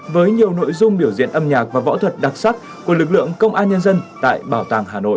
với nhiều nội dung biểu diễn âm nhạc và võ thuật đặc sắc của lực lượng công an nhân dân tại bảo tàng hà nội